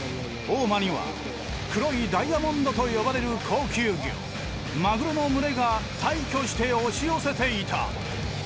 大間には黒いダイヤモンドと呼ばれる高級魚マグロの群れが大挙して押し寄せていた。